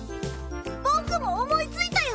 僕も思いついたよ！